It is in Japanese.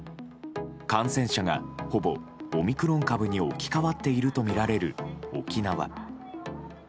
感染者が、ほぼオミクロン株に置き換わっているとみられる沖縄。